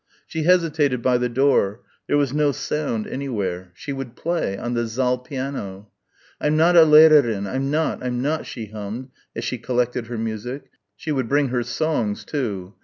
She hesitated by the door. There was no sound anywhere.... She would play ... on the saal piano. "I'm not a Lehrerin I'm not I'm not," she hummed as she collected her music ... she would bring her songs too....